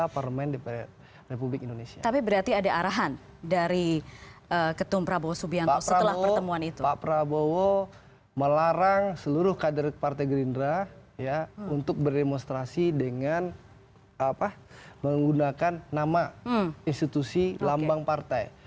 pak prabowo melarang seluruh kader partai gerindra untuk berdemonstrasi dengan apa menggunakan nama institusi lambang partai